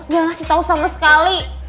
gak ngasih tau sama sekali